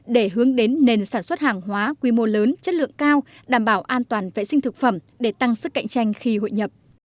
để hướng đến nền sản xuất hàng hóa quy mô lớn chất lượng cao đảm bảo an toàn vệ sinh thực phẩm để tăng sức cạnh tranh khi hội nhập